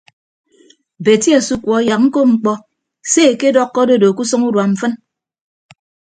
Beti asukuọ yak ñkop mkpọ se ekedọkkọ adodo ke usʌñ urua mfịn.